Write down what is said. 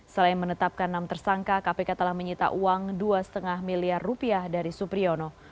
selain menetapkan enam tersangka kpk telah menyita uang dua lima miliar rupiah dari supriyono